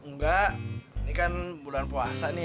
nggak ini kan bulan puasa